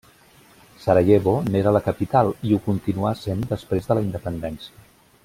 Sarajevo n'era la capital, i ho continuà sent després de la independència.